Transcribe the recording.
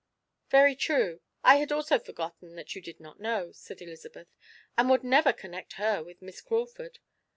"Very true; I had also forgotten that you did not know," said Elizabeth, "and would never connect her with Miss Crawford.